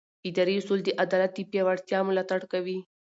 اداري اصول د عدالت د پیاوړتیا ملاتړ کوي.